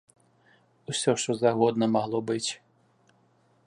Усё, што заўгодна магло быць.